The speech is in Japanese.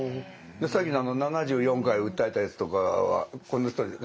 さっきの７４回訴えたやつとかはこの人に。